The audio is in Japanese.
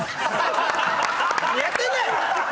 何やってんねん！